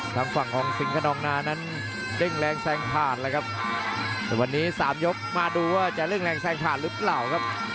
ทางฝั่งของสิงขนองนานั้นเด้งแรงแซงผ่านแล้วครับแต่วันนี้สามยกมาดูว่าจะเร่งแรงแซงผ่านหรือเปล่าครับ